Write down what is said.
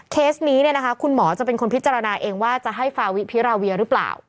เคสนี้คุณหมอจะเป็นคนพิจารณาเองว่าจะให้ฟาวิพิราเวียหรือเปล่า